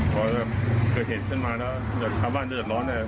พอเกิดเหตุฉันมาแล้วสะว่างเตือนร้อนแหละ